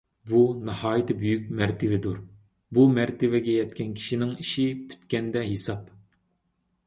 بۇ ناھايىتى بۈيۈك مەرتىۋىدۇر. بۇ مەرتىۋىگە يەتكەن كىشىنىڭ ئىشى پۈتكەندە ھېساب.